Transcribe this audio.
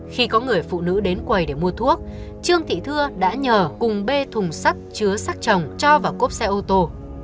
khi có người phụ nữ đến quầy để mua thuốc trương thị thưa đã nhờ cùng bê thùng sắt chứa sắc trồng cho vào cốp xe ô tô